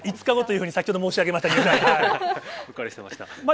５日後というふうに先ほど申うっかりしてました。